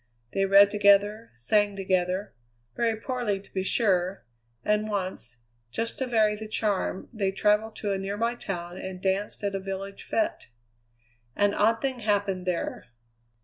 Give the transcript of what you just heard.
They read together, sang together very poorly to be sure and once, just to vary the charm, they travelled to a nearby town and danced at a village fête. An odd thing happened there.